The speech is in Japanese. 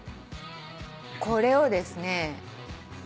これをですね。